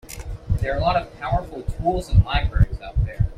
There are a lot of powerful tools and libraries out there.